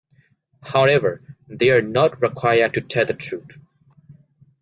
However, they are not required to tell the truth.